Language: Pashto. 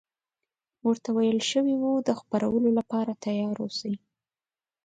ورته ویل شوي وو د خپرولو لپاره تیار اوسي.